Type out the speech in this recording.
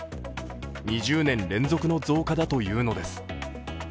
２０年連続の増加だというのです。